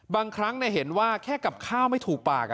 บางครั้งแค่กับข้าวไม่ถูกปาก